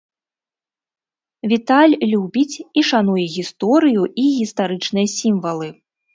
Віталь любіць і шануе гісторыю і гістарычныя сімвалы.